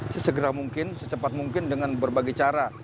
sesegera mungkin secepat mungkin dengan berbagai cara